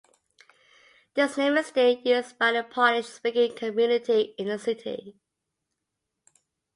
This name is still used by the Polish-speaking community in the city.